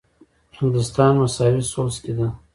انګلستان مساوي ثلث کې ده.